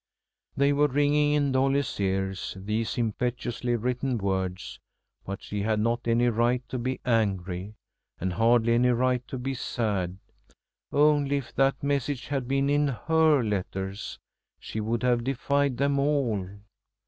They were ringing in Dolly's ears, these impetuously written words; but she had not any right to be angry and hardly any right to be sad. Only, if that message had been in her letters, she would have defied them all.